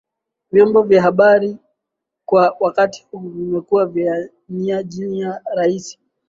Vyombo vya habari kwa wakati huu vimekuwa nia njia raisi